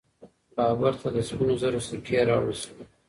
بابر ته د سپینو زرو سکې راوړل سوې.